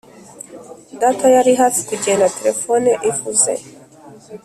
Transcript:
data yari hafi kugenda, telefone ivuze.